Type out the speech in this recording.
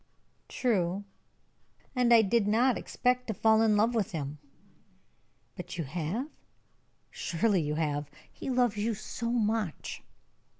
"True. And I did not expect to fall in love with him." "But you have? Surely you have, he loves you so much."